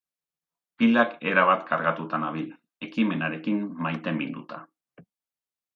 Pilak erabat kargatuta nabil, ekimenarekin maiteminduta.